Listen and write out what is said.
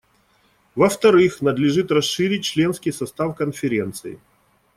Во-вторых, надлежит расширить членский состав Конференции.